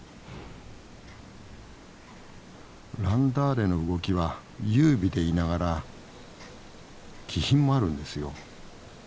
ランダーレの動きは優美でいながら気品もあるんですよ。